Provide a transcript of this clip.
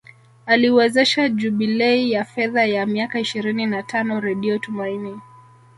Aliwezesha jubilei ya fedha ya miaka ishirini na tano redio Tumaini